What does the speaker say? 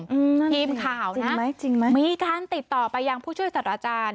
พีมข่าวมีการติดต่อไปพูดช่วยสรรค์อาจารย์